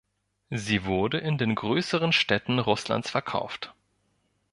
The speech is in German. Sie wurde in den größeren Städten Russlands verkauft.